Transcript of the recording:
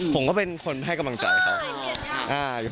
ผมก็เป็นคนให้กำลังจัยครับ